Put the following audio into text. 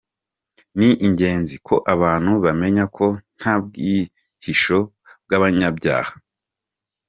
Ni ingenzi ko abantu bamenya ko nta bwihisho bw’abanyabyaha.